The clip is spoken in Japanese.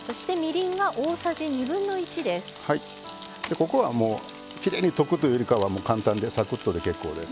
ここはもうきれいに溶くというよりかは簡単でサクッとで結構です。